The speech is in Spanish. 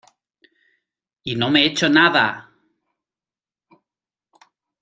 ¡ y no me he hecho nada!